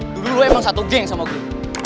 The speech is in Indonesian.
dulu lo emang satu geng sama gue